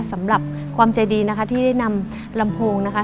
สำหรับความใจดีนะคะที่ได้นำลำโพงนะคะ